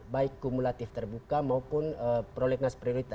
baik kumulatif terbuka maupun prolet nas prioritas